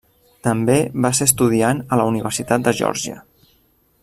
També va ser estudiant a la Universitat de Geòrgia.